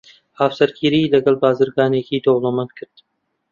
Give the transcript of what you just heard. هاوسەرگیریی لەگەڵ بازرگانێکی دەوڵەمەند کرد.